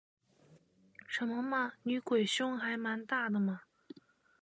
什么嘛，女鬼胸还蛮大的嘛